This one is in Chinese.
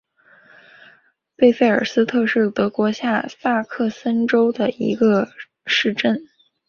贝费尔斯特是德国下萨克森州的一个市镇。